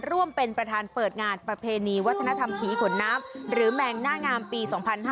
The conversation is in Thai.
ร่วมเป็นประธานเปิดงานประเพณีวัฒนธรรมผีขนน้ำหรือแมงหน้างามปี๒๕๕๙